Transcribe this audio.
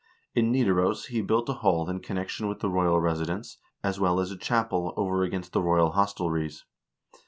In Nidaros he built a hall in connection with the royal residence, as well as a chapel over against the royal hostelries.